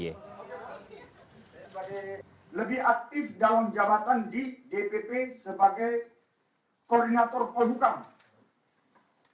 lebih aktif dalam jabatan di dpp sebagai